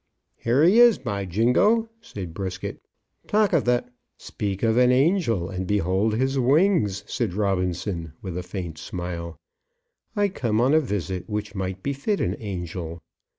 "Here he is, by jingo," said Brisket. "Talk of the " "Speak of an angel and behold his wings," said Robinson, with a faint smile. "I come on a visit which might befit an angel.